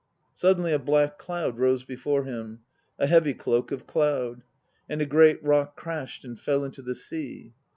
Suddenly a black cloud rose before him, A heavy cloak of cloud; And a great rock crashed and fell into the sea.